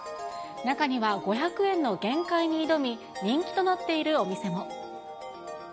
中には５００円の限界に挑み、人気となっているお店も。